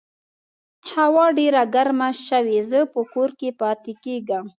هوا ډېره ګرمه شوې، زه په کور کې پاتې کیږم